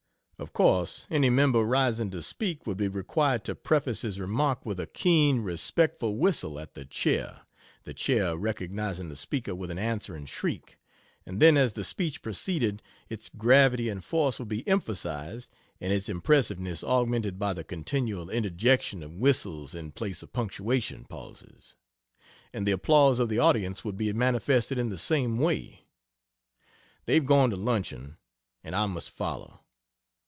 Of course any member rising to speak would be required to preface his remark with a keen respectful whistle at the chair the chair recognizing the speaker with an answering shriek, and then as the speech proceeded its gravity and force would be emphasized and its impressiveness augmented by the continual interjection of whistles in place of punctuation pauses; and the applause of the audience would be manifested in the same way.... They've gone to luncheon, and I must follow.